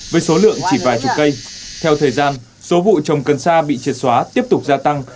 với số lượng chỉ vài chục cây theo thời gian số vụ trồng cần sa bị triệt xóa tiếp tục gia tăng